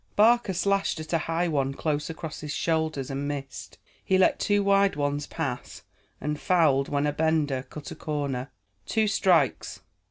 Barker slashed at a high one close across his shoulders and missed. He let two wide ones pass, and fouled when a bender cut a corner. "Two strikes!"